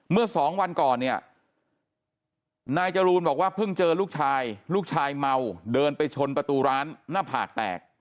เมื่อสองวันก่อนเนี่ยนายจรูนบอกว่าเพิ่งเจอลูกชายลูกชายเมาเดินไปชนประตูร้านหน้าผากแตก